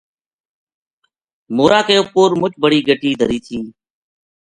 مورا کے اُپر مچ بڑی گٹی دھری تھی